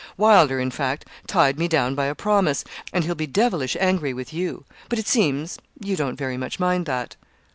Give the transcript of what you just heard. Wylder, in fact, tied me down by a promise, and he'll be devilish angry with you; but, it seems, you don't very much mind that.'